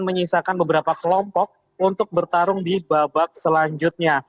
menyisakan beberapa kelompok untuk bertarung di babak selanjutnya